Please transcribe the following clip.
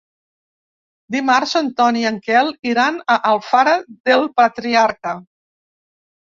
Dimarts en Ton i en Quel iran a Alfara del Patriarca.